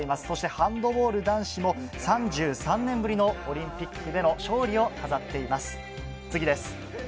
ハンドボール男子も３３年ぶりのオリンピックでの勝利を飾っています。